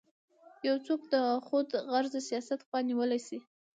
یو څوک د خودغرضه سیاست خوا نیولی شي.